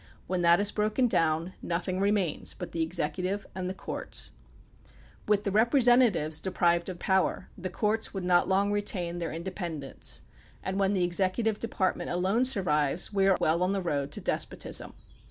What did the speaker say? When that is broken down nothing remains but the executive and the courts. THE PUBLIC OPINION BILL 29 With the representatives deprived of power the courts would not long retain their independence, and when the executive department alone survives we are well on the road to despotism.